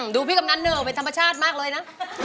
พี่กำนันเหนือออกไปธรรมชาติมากเลยนะ